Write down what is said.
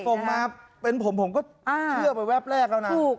ส่งมาเป็นผมผมก็เชื่อไปแวบแรกแล้วนะ